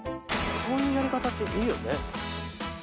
そういうやり方いいよね。